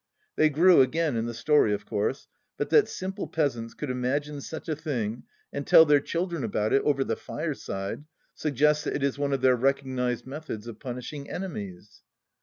They grew again in the story, of course. But that simple peasants could imagine such a thing, and tell their children about it over the fireside, suggests that it is one of their recognized methods of punishing enemies